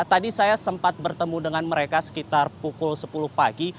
tadi saya sempat bertemu dengan mereka sekitar pukul sepuluh pagi